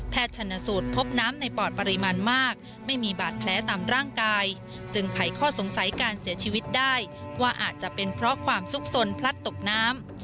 ชนสูตรพบน้ำในปอดปริมาณมากไม่มีบาดแผลตามร่างกายจึงไขข้อสงสัยการเสียชีวิตได้ว่าอาจจะเป็นเพราะความสุขสนพลัดตกน้ำ